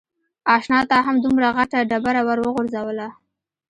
اشنا تا هم دومره غټه ډبره ور و غورځوله.